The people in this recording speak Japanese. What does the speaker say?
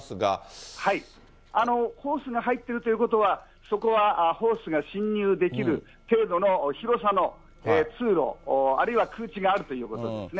ホースが入っているということは、そこはホースが進入できる程度の広さの通路、あるいは空地があるということですね。